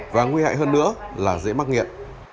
và nguy hại hơn nữa là dễ mắc nghiện